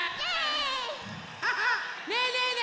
ねえねえね